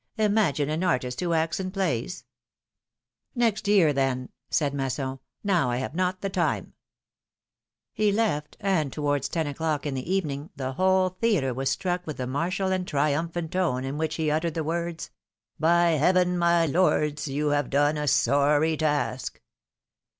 Imagine an artist who acts in plays !" ^^Next year, then," said Masson; ^^now I have not the time." 284 PHILOMilNE^S MARKIAGES. He left, and towards ten o'clock in the evening the whole theatre was struck with the martial and trium phant tone in which he uttered the words : By heaven ! my lords, you have done a sorry task